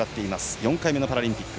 ４回目のパラリンピック。